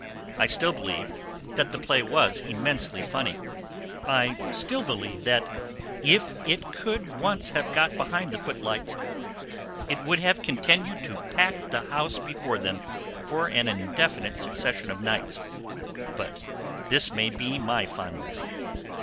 I still believe that the play was immensely funny; I still believe that if it could once have got behind the footlights it would have continued to pack the house before them for an indefinite succession of nights. But this may be my fondness.